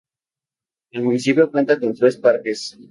El municipio cuenta con tres parques.